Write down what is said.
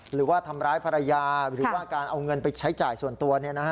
หรือว่าทำร้ายภรรยาหรือว่าการเอาเงินไปใช้จ่ายส่วนตัว